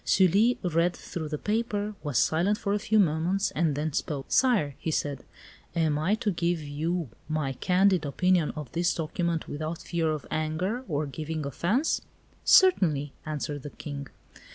Sully read through the paper, was silent for a few moments, and then spoke. "Sire," he said, "am I to give you my candid opinion on this document, without fear of anger or giving offence?" "Certainly," answered the King.